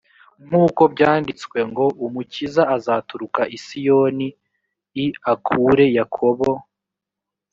nk uko byanditswe ngo umukiza azaturuka i siyoni i akure yakobo